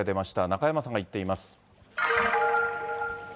中山さんが行っています。